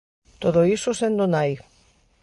Todo iso sendo nai.